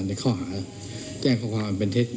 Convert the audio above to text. ในข้อหาแจ้งข้อความอันเป็นเท็จ